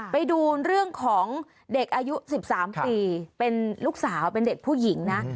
ไปดูเรื่องของเด็กอายุ๑๓ปีเป็นลูกสาวเป็นเด็กผู้หญิงนะ